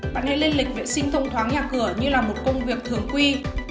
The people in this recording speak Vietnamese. bạn nên lên lịch vệ sinh thông thoáng nhà cửa như là một công việc thường quy